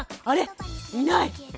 あれ⁉いない！